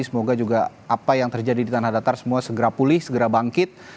semoga juga apa yang terjadi di tanah datar semua segera pulih segera bangkit